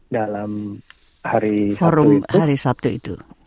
dalam hari sabtu itu